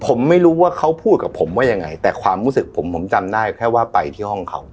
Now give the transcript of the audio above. ผมไม่รู้ว่าเขาพูดกับผมว่ายังไงแต่ความรู้สึกผมผมจำได้แค่ว่าไปที่ห้องเขา